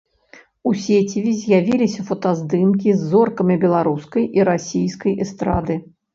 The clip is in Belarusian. У сеціве з'явіліся фотаздымкі з зоркамі беларускай і расійскай эстрады.